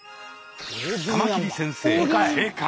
カマキリ先生正解。